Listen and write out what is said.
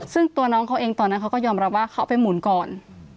ซึ่งตัวน้องเขาเองตอนนั้นเขาก็ยอมรับว่าเขาไปหมุนก่อน